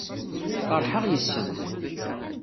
Feṛḥeɣ yes-m.